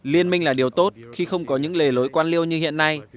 liên minh là điều tốt khi không có những lề lối quan liêu như hiện nay